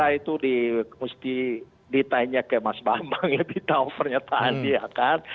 ya itu mesti ditanya ke mas bambang lebih tahu pernyataan dia kan